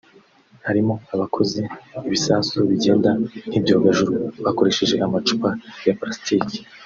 harimo abakoze ibisasu bigenda nk’ibyogajuru bakoresheje amacupa ya palasitiki